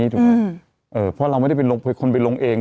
เพราะคนเราไม่ได้ไปลงเอง